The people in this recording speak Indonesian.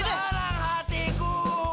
alangkah senang hatiku